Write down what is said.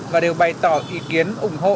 và đều bày tỏ ý kiến ủng hộ